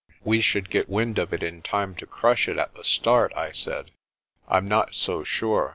"We should get wind of it in time to crush it at the start," I said. "I'm not so sure.